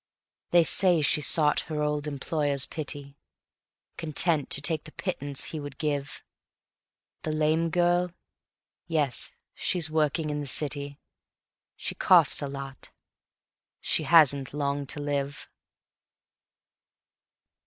They say she sought her old employer's pity, Content to take the pittance he would give. The lame girl? yes, she's working in the city; She coughs a lot she hasn't long to live.